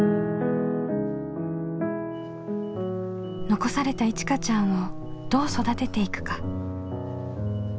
残されたいちかちゃんをどう育てていくか。